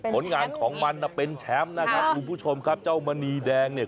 ผลงานของมันน่ะเป็นแชมป์นะครับคุณผู้ชมครับเจ้ามณีแดงเนี่ย